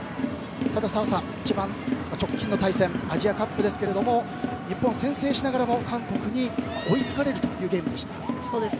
ただ、澤さん一番直近の対戦はアジアカップですけども日本は先制しながらも韓国に追いつかれるというゲームでした。